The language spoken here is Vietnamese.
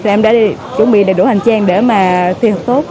em đã chuẩn bị đầy đủ hành trang để mà thi hợp tốt